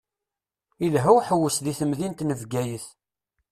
Ilha uḥewwes di temdint n Bgayet.